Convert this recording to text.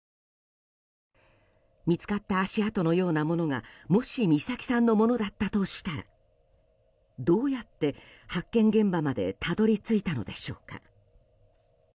見つかった足跡のようなものがもし美咲さんのものだったとしたらどうやって発見現場までたどり着いたのでしょうか。